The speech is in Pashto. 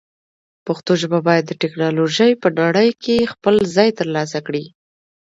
پښتو ژبه باید د ټکنالوژۍ په نړۍ کې خپل ځای ترلاسه کړي.